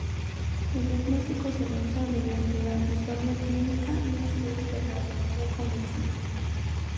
El diagnóstico se realiza mediante la historia clínica y un estudio de radiología convencional.